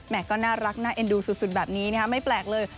ก็น่ารักน่าเอ็นดูสุดแบบนี้ไม่แปลกเลย